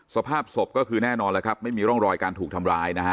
สภาพศพก็คือแน่นอนแล้วครับไม่มีร่องรอยการถูกทำร้ายนะฮะ